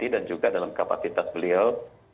dan juga dalam kapasitas beliau